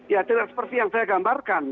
ya tidak seperti yang saya gambarkan